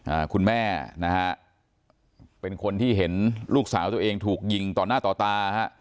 อ่าคุณแม่นะฮะเป็นคนที่เห็นลูกสาวตัวเองถูกยิงต่อหน้าต่อตาฮะ